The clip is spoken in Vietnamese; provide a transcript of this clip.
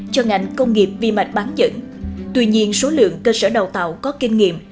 cho ngành công nghiệp vi mạch bán dẫn tuy nhiên số lượng cơ sở đào tạo có kinh nghiệm